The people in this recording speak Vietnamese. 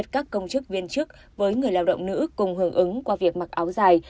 các công chức viên chức với người lao động nữ cùng hưởng ứng qua việc mặc áo dài